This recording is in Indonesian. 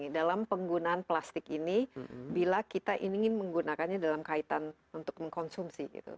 jadi kita harus mengurangi penggunaan plastik ini bila kita ingin menggunakannya dalam kaitan untuk mengkonsumsi gitu